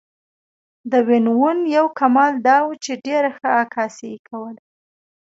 د وین وون یو کمال دا و چې ډېره ښه عکاسي یې کوله.